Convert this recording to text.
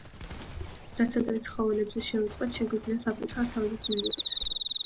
რაც ადრე ცხოველებზე შევიტყვეთ, შეგვიძლია საკუთარ თავზეც მივიღოთ.